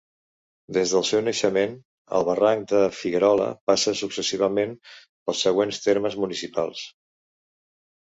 Des del seu naixement, el Barranc de Figuerola passa successivament pels següents termes municipals.